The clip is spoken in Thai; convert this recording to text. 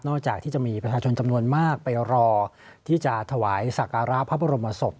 จากที่จะมีประชาชนจำนวนมากไปรอที่จะถวายสักการะพระบรมศพ